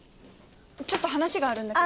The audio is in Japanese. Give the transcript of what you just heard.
ちょっと話があるんだけど。